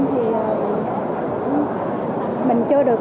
thì mình chưa được